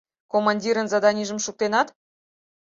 Командирын заданийжым шуктенат?